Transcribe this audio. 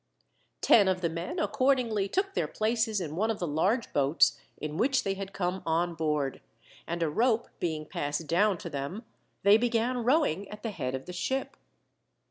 Ten of the men accordingly took their places in one of the large boats in which they had come on board, and a rope being passed down to them they began rowing at the head of the ship.